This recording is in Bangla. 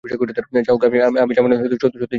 যা হোক, আমি যাবার জন্য সত্যিই চেষ্টা করছি।